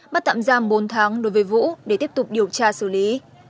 bắt tạm giam bốn tháng đối với vũ để tiếp tục điều tra xử lý